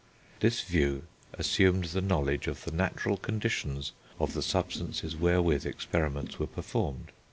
This view assumed the knowledge of the natural conditions of the substances wherewith experiments were performed.